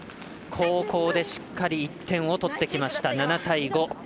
後攻でしっかりと１点を取ってきました、７対５。